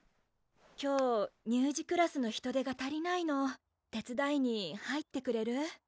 今日乳児クラスの人手が足りないの手つだいに入ってくれる？